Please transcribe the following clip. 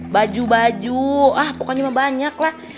baju baju ah pokoknya cuma banyak lah